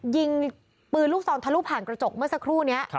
ยิงปืนลูกซองทะลุผ่านกระจกเมื่อสักครู่นี้